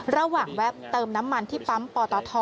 แวะเติมน้ำมันที่ปั๊มปตท